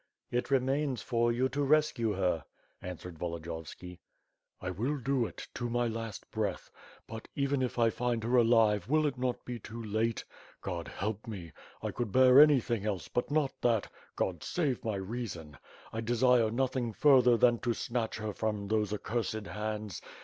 "It remains for you to rescue her," answered Volodiyovski. "I will do it — to my last breath, but, even if I find her alive, will it not be too late? God help me. I could bear any thing else, but not that. God save my reason. I desire noth ing further than to snatch her from those accursed hands.